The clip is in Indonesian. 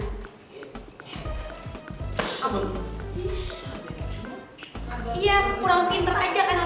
iya kurang pinter aja kan otaknya kan